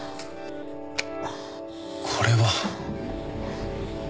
これは。